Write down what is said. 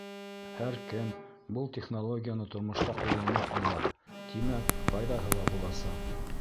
Һәр кем был технологияны тормошта ҡуллана ала, тимәк, файҙаһы ла буласаҡ.